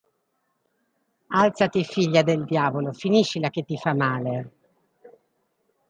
Alzati, figlia del diavolo, finiscila, che ti fa male!